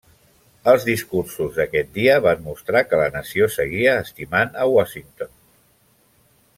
Els discursos d'aquest dia van mostrar que la nació seguia estimant a Washington.